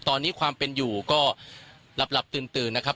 ตอนนี้ความเป็นอยู่ก็หลับตื่นนะครับ